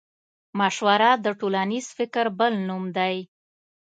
مشوره د ټولنيز فکر بل نوم دی.